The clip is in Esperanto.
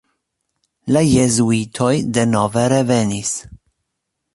La jezuitoj denove revenis.